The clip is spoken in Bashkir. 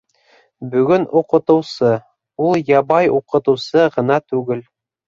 Бөгөн уҡытыусы - ул ябай уҡытыусы ғына түгел.